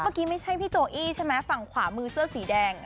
เมื่อกี้ไม่ใช่พี่โจอี้ใช่ไหมฝั่งขวามือเสื้อสีแดง